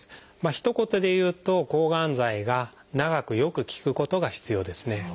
ひと言で言うと抗がん剤が長くよく効くことが必要ですね。